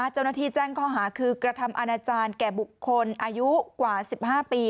เจ้าหน้าที่แจ้งข้อหาคือกระทำอาณาจารย์แก่บุคคลอายุกว่า๑๕ปี